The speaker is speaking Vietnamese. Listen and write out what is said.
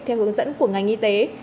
theo hướng dẫn của ngành y tế